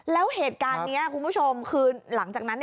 แล้วเหตุการณ์นี้คุณผู้ชมคือหลังจากนั้น